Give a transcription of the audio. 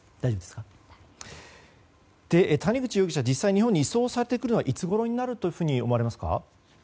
谷口容疑者、実際に日本に移送されてくるのはいつごろになると思われますか？